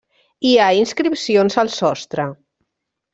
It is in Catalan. Hi ha inscripcions al sostre.